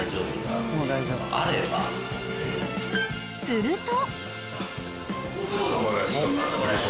［すると］